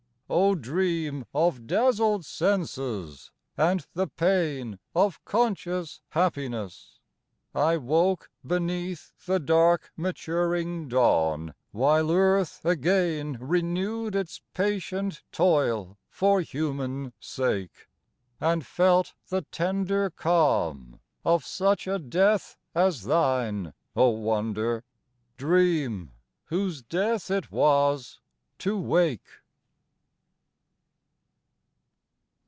O dream of dazzled senses and the pain Of conscious happiness ! I woke beneath The dark maturing dawn, while earth again Renewed its patient toil for human sake, And felt the tender calm of such a death / As thine, O Wonder, dream whose death it was to wake.